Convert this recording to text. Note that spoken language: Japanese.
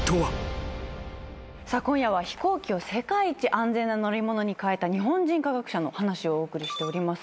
さあ今夜は飛行機を世界一安全な乗り物に変えた日本人科学者の話をお送りしております。